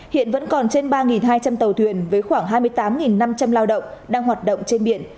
hiện vẫn còn trên ba hai trăm linh tàu thuyền với khoảng hai mươi tám năm trăm linh lao động đang hoạt động trên biển